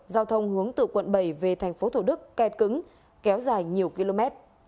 giao thông hướng từ quận bảy về thành phố thổ đức kẹt cứng kéo dài nhiều km